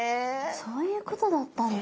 そういうことだったんだ。